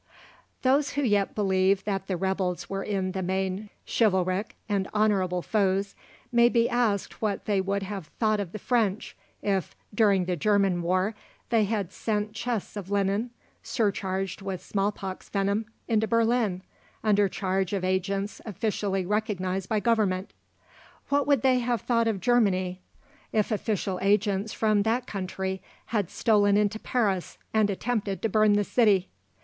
Those who yet believe that the rebels were in the main chivalric and honourable foes, may be asked what would they have thought of the French, if, during the German war, they had sent chests of linen, surcharged with small pox venom, into Berlin, under charge of agents officially recognised by Government? What would they have thought of Germany, if official agents from that country had stolen into Paris and attempted to burn the city.